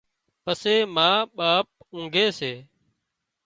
پسي ما پان اونگھي سي